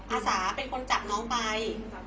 อาสาเป็นคนจับน้องไป